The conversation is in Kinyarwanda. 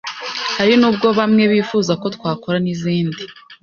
hari nubwo bamwe bifuza ko twakora n’ izindi